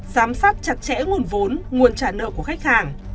giám sát chặt chẽ nguồn vốn nguồn trả nợ của khách hàng